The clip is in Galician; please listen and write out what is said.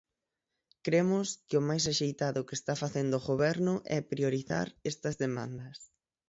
Cremos que o máis axeitado que está facendo o Goberno é priorizar estas demandas.